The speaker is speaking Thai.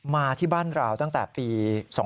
มาที่บ้านเราตั้งแต่ปี๒๕๕๙